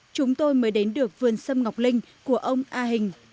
chúng tôi mới đến được vườn sâm ngọc linh của ông a hình